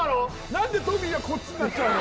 何でトミーはこっちになっちゃうの？